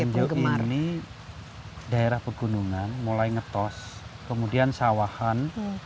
di nganjung ini daerah pegunungan mulai ngetos kemudian sawahan